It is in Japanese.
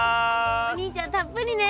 お兄ちゃんたっぷりね。